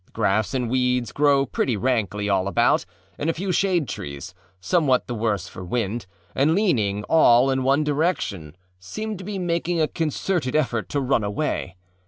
Grass and weeds grow pretty rankly all about, and a few shade trees, somewhat the worse for wind, and leaning all in one direction, seem to be making a concerted effort to run away.